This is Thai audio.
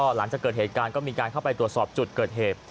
หลังจากเกิดเหตุการณ์ก็มีการเข้าไปตรวจสอบจุดเกิดเหตุ